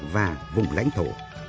và vùng lãnh thổ